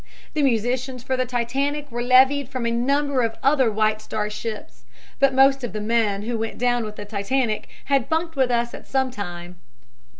The musicians for the Titanic were levied from a number of other White Star ships, but most of the men who went down with the Titanic had bunked with us at some time."